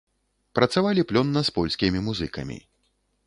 Працавалі плённа з польскімі музыкамі.